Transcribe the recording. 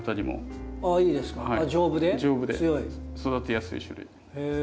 育てやすい種類で。